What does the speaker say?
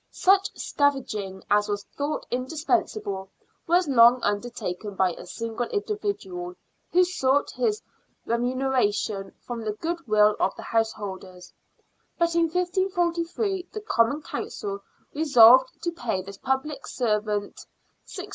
Such scavenging as was thought indispensable was long under taken by a single individual, who sought his remuneration from the goodwill of the householders ; but in 1543 the Common Council resolved to pay this public servant is.